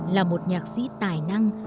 là một nhạc sĩ tài năng